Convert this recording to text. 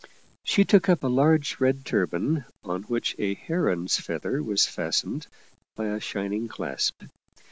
She took up a large red turban on which a heron's feather was fastened by a shining clasp.